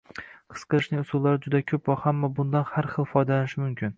His qilishning usullari juda ko’p va hamma bundan har hil foydalanishi mumkin